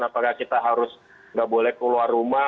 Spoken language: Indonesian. apakah kita harus nggak boleh keluar rumah